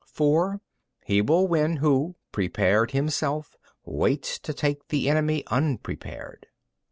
(4) He will win who, prepared himself, waits to take the enemy unprepared.